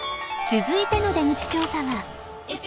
［続いての出口調査は］